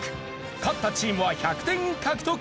勝ったチームは１００点獲得。